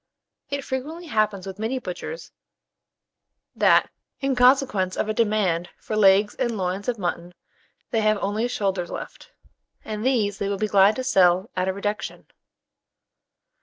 It frequently happens with many butchers, that, in consequence of a demand for legs and loins of mutton, they have only shoulders left, and these they will be glad to sell at a reduction.